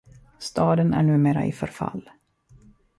Staden är numera i förfall.